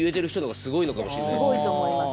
すごいと思います。